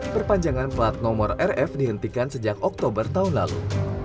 perpanjangan plat nomor rf dihentikan sejak oktober tahun lalu